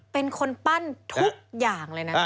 เป็นคนปั้นทุกอย่างเลยนะ